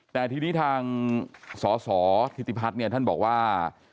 แต่ทีนี้ทางสสธิติพัฒน์เนี่ยท่านบอกว่า